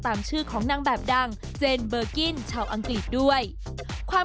ตามชื่อของนางแบบดังเจนเบอร์กิ้นชาวอังกฤษด้วยความ